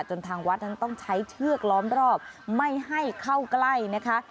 ทางวัดนั้นต้องใช้เชือกล้อมรอบไม่ให้เข้าใกล้นะคะ